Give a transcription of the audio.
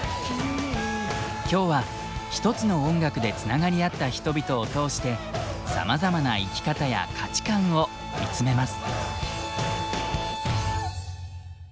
今日はひとつの音楽でつながり合った人々を通してさまざまな生き方や価値観を見つめます。